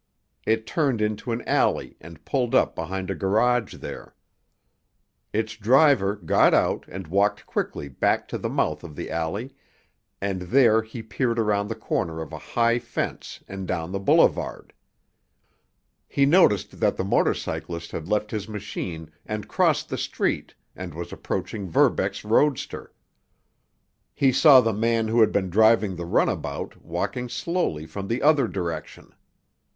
It turned into an alley and pulled up behind a garage there. Its driver got out and walked quickly back to the mouth of the alley, and there he peered around the corner of a high fence and down the boulevard. He noticed that the motor cyclist had left his machine and crossed the street and was approaching Verbeck's roadster. He saw the man who had been driving the runabout walking slowly from the other direction.